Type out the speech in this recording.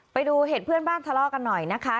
ไปดูเหตุเพื่อนบ้านทะเลาะกันหน่อยนะคะ